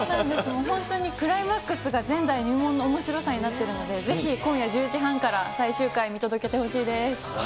もう本当にクライマックスが前代未聞のおもしろさになっているので、ぜひ今夜１０時半から最終回、見届けてほしいです。